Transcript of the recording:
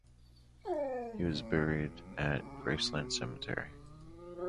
He was buried at Graceland Cemetery.